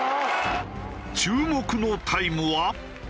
注目のタイムは。